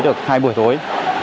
được hai buổi tối